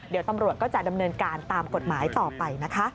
เดี๋ยวตำรวจก็จะดำเนินการตามกฎหมายต่อไปนะคะ